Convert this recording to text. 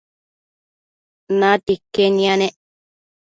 natia iquen yanec